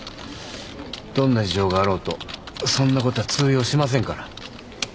どんな事情があろうとそんなことは通用しませんから。